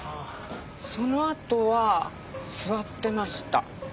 そのあとは座ってました。